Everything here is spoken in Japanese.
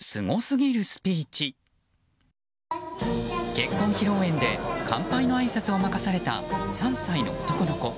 結婚披露宴で乾杯のあいさつを任された３歳の男の子。